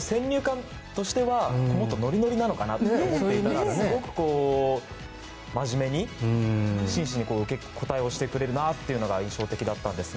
先入観としてはノリノリなのかなというイメージでしたがすごくまじめに真摯に受け答えをしてくれるなというのが印象的だったんですが。